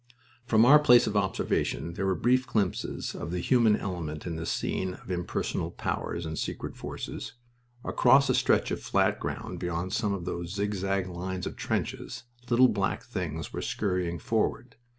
From our place of observation there were brief glimpses of the human element in this scene of impersonal powers and secret forces. Across a stretch of flat ground beyond some of those zigzag lines of trenches little black things were scurrying forward.